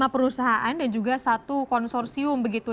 lima perusahaan dan juga satu konsorsium begitu